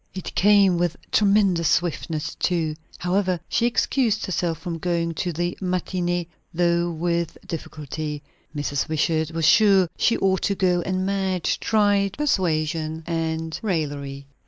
It came with tremendous swiftness, too. However, she excused herself from going to the matinée, though with difficulty. Mrs. Wishart was sure she ought to go; and Madge tried persuasion and raillery.